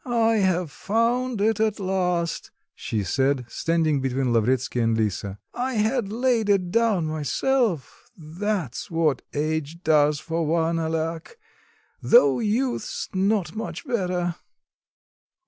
"I have found it at last," she said, standing between Lavretsky and Lisa; "I had laid it down myself. That's what age does for one, alack though youth's not much better."